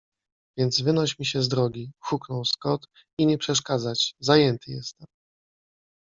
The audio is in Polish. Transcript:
Więc wynoś mi się z drogi! - huknął Scott i nie przeszkadzać. Zajęty jestem.